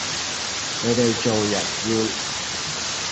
你哋做人要哋良知先得架